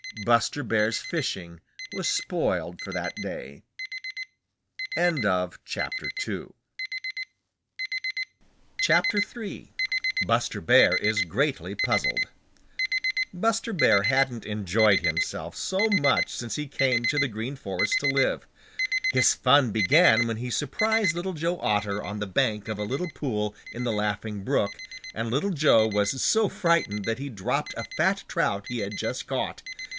Buster Bear's fishing was spoiled for that day. III BUSTER BEAR IS GREATLY PUZZLED Buster Bear hadn't enjoyed himself so much since he came to the Green Forest to live. His fun began when he surprised Little Joe Otter on the bank of a little pool in the Laughing Brook and Little Joe was so frightened that he dropped a fat trout he had just caught.